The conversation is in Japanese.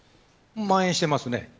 蔓延していますね。